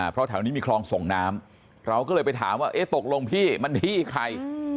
เพราะแถวนี้มีคลองส่งน้ำเราก็เลยไปถามว่าเอ๊ะตกลงพี่มันที่ใคร